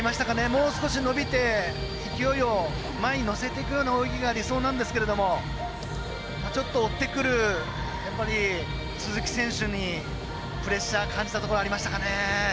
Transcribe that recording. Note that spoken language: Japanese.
もう少し伸びて勢いを前に乗せていくような泳ぎが理想なんですけどもちょっと追ってくる鈴木選手にプレッシャー感じたところありましたかね。